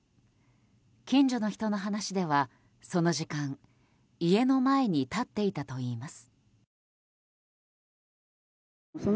近所の人の話では、その時間家の前に立っていたといいます。